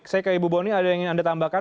saya ke ibu boni ada yang ingin anda tambahkan